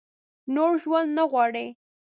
نور ژوند نه غواړي ؟